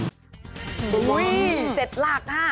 ๗หลักฮะ